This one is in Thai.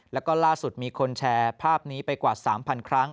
แล้วก็ล่าสุดมีคนแชร์ภาพนี้ไปกว่า๓๐๐ครั้ง